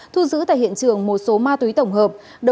thu giữ tại hiện trường một số ma túy tổng hợp